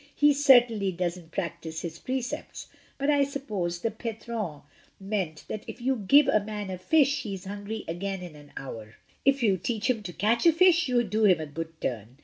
"He certainly doesn't prac tise his precepts, but I suppose the Patron meant that if you give a man a fish he is hungry again in an hour. If you teach him to catch a fish you do him a good turn.